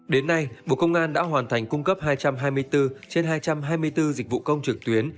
đến nay bộ công an đã hoàn thành cung cấp hai trăm hai mươi bốn trên hai trăm hai mươi bốn dịch vụ công trực tuyến